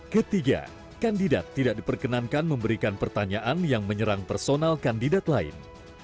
ketiga kandidat tidak diperkenankan memberikan pertanyaan yang menyerang personal kandidat lain